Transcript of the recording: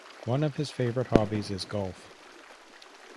One of his favorite hobbies is golf.